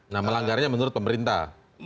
nah melanggarnya menurut pemerintah